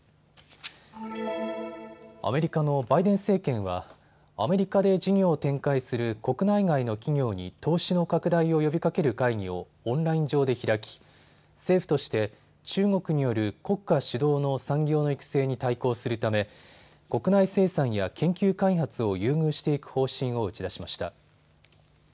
アメリカのバイデン政権はアメリカで事業を展開する国内外の企業に投資の拡大を呼びかける会議をオンライン上で開き政府として中国による国家主導の産業の育成に対抗するため国内生産や研究開発を優遇していく方針を打ち出しました。